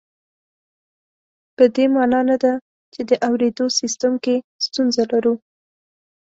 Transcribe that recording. په دې مانا نه ده چې د اورېدو سیستم کې ستونزه لرو